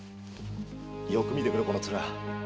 よく見てくれこの面を。